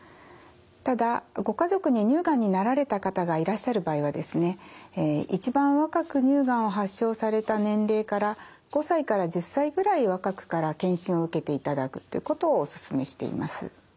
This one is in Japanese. ただご家族に乳がんになられた方がいらっしゃる場合はですね一番若く乳がんを発症された年齢から５歳から１０歳ぐらい若くから検診を受けていただくということをお勧めしています。